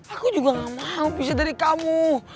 aku juga gak mau bisa dari kamu